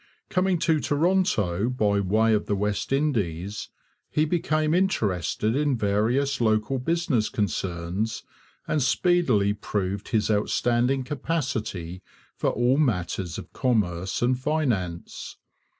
Coming to Toronto by way of the West Indies, he became interested in various local business concerns and speedily proved his outstanding capacity for all matters of commerce and finance.